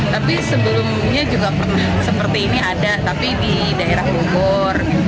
tapi sebelumnya juga pernah seperti ini ada tapi di daerah bogor